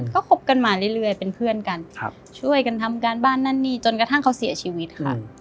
ก็คบกันมาเรื่อยเป็นเพื่อนกันช่วยกันทำการบ้านนั่นนี่จนกระทั่งเขาเสียชีวิตค่ะ